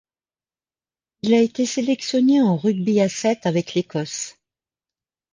Il a été sélectionné en rugby à sept avec l'Écosse.